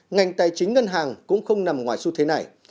ngành tài chính ngân hàng cũng không nằm ngoài xu thế này